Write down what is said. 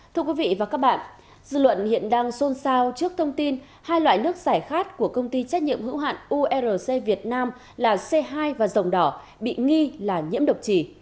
thưa quý vị và các bạn dư luận hiện đang xôn xao trước thông tin hai loại nước giải khát của công ty trách nhiệm hữu hạn urc việt nam là c hai và dòng đỏ bị nghi là nhiễm độc trì